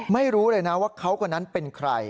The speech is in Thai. ไม่รู้เลยนะว่าเขาคนนั้นเป็นใคร